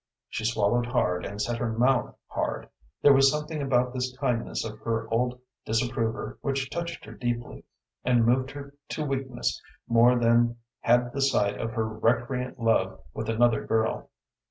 She swallowed hard, and set her mouth hard. There was something about this kindness of her old disapprover which touched her deeply, and moved her to weakness more than had the sight of her recreant love with another girl.